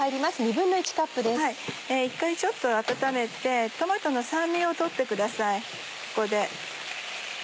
１回ちょっと温めてトマトの酸味を取ってくださいここで。